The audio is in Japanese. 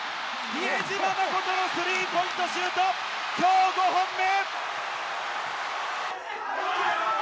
比江島慎のスリーポイントシュート今日５本目！